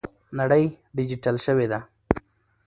نړۍ ډیجیټل شوې ده.